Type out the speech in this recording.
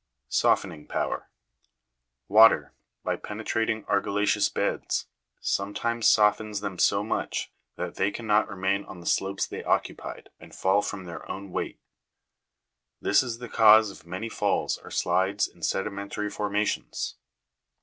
7. Softening power. Water, by penetrating argilla'ceous beds, sometimes softens them so much, that they cannot remain on the slopes they occupied, and fall from their own weight ; this is the cause of many falls or slides in sedimentary formations.